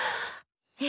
え！